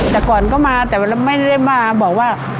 จากก่อนก็มาแต่ไม่ได้มาบอกว่า